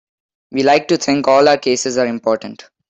We like to think all our cases are important.